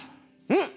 ん？